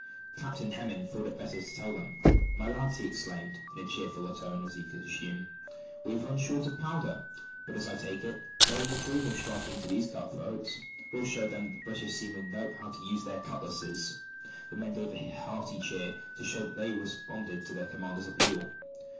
Captain Hemming thought it better to tell them. "My lads," he exclaimed, in as cheerful a tone as he could assume, "we have run short of powder, but as I take it, no one would dream of striking to these cut throats; we'll show them that British seamen know how to use their cutlasses." The men gave a hearty cheer, to show that they responded to their commander's appeal.